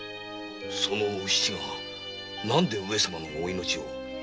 そのお七がなぜ上様のお命を？